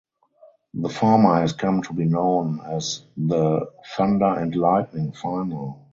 The former has come to be known as the "thunder and lightning final".